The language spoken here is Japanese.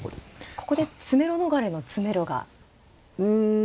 ここで詰めろ逃れの詰めろがあるかどうか。